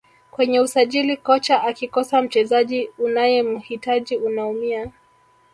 kwenye usajili kocha akikosa mchezaji unayemhitaji unaumia